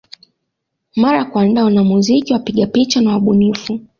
Mara kuandaa wanamuziki wapiga picha na wabunifu